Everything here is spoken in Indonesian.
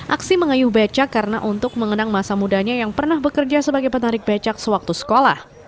aksi mengayuh becak karena untuk mengenang masa mudanya yang pernah bekerja sebagai penarik becak sewaktu sekolah